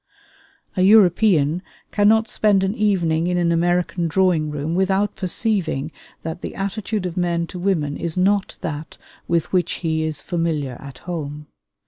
A European cannot spend an evening in an American drawing room without perceiving that the attitude of men to women is not that with which he is familiar at home.